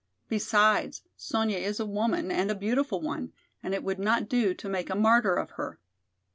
Besides, Sonya is a woman and a beautiful one and it would not do to make a martyr of her."